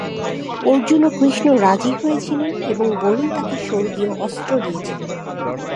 অর্জুন ও কৃষ্ণ রাজি হয়েছিলেন এবং বরুণ তাকে স্বর্গীয় অস্ত্র দিয়েছিলেন।